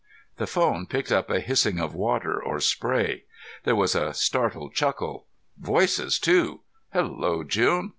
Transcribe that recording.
The phone picked up a hissing of water or spray. There was a startled chuckle. "Voices, too! Hello, June.